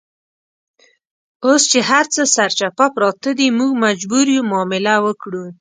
اوس چې هرڅه سرچپه پراته دي، موږ مجبور یو معامله وکړو.